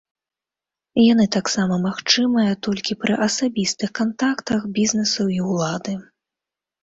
Яны таксама магчымая толькі пры асабістых кантактах бізнэсу і ўлады.